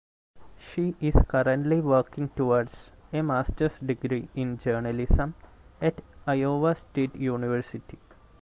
She is currently working towards a master's degree in journalism at Iowa State University.